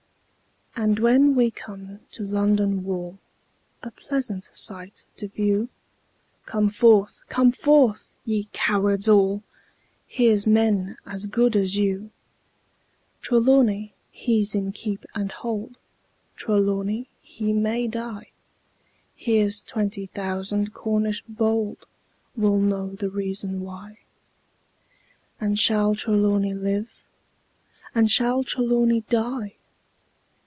And when we come to London Wall, A pleasant sight to view, Come forth! come forth! ye cowards all: Here's men as good as you. Trelawny he's in keep and hold; Trelawny he may die: Here's twenty thousand Cornish bold Will know the reason why And shall Trelawny live? Or shall Trelawny die?